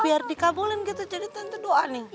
biar dikabulin gitu jadi tante doa nih